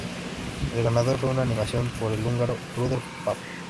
El ganador fue una animación por el húngaro Rudolf Pap.